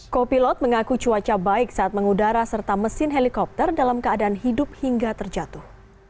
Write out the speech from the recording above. kopilot mengaku cuaca baik saat mengudara serta mesin helikopter dalam keadaan hidup hingga terjatuh